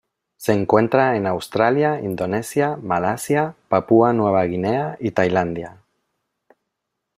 Se encuentra en Australia, Indonesia, Malasia, Papúa Nueva Guinea y Tailandia.